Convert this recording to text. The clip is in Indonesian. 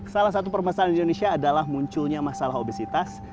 salah satu permasalahan di indonesia adalah munculnya masalah obesitas